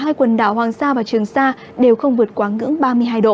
hai quần đảo hoàng sa và trường sa đều không vượt quá ngưỡng ba mươi hai độ